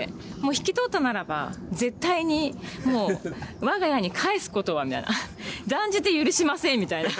引き取ったならば絶対にもう我が家に返すことはみたいな断じて許しませんみたいな。